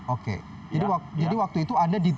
oke jadi waktu itu anda di